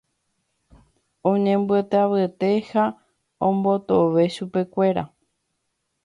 Oñembotavyete ha ombotove chupekuéra.